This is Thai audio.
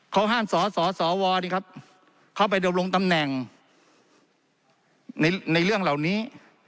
เขาห้ามสสวเข้าไปดำรงตำแหน่งในเรื่องเหล่านี้